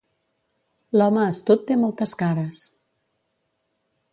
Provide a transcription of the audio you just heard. L'home astut té moltes cares.